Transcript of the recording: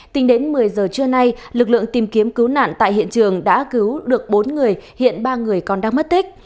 tính đến một mươi giờ trưa nay lực lượng tìm kiếm cứu nạn tại hiện trường đã cứu được bốn người hiện ba người còn đang mất tích